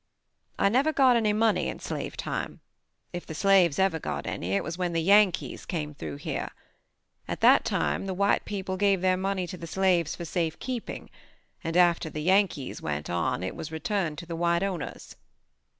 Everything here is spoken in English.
"I never got any money in slavery time. If the slaves ever got any, it was when the Yankees came through here. At that time the white people gave their money to the slaves for safekeeping, and after the Yankees went on it was returned to the white owners.